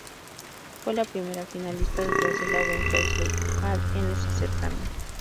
Fue la primera finalista detrás de Lauren Kelsey Hall en ese certamen.